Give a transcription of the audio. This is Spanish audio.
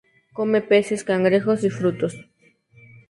Come peces, cangrejos y frutos.